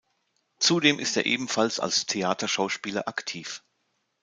Zudem ist er ebenfalls als Theaterschauspieler aktiv.